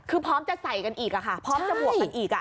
คือพร้อมจะใส่กันอีกค่ะพร้อมจะบวกกันอีก